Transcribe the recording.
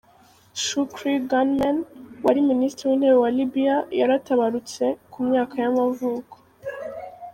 Shukri Ghanem, wari minisitiri w’intebe wa Libya yaratabarutse, ku myaka y’amavuko.